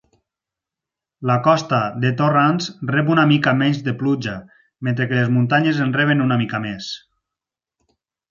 La costa de Torrance rep una mica menys de pluja, mentre que les muntanyes en reben una mica més.